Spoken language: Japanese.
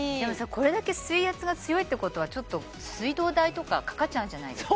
これだけ水圧が強いってことはちょっと水道代とかかかっちゃうんじゃないですか？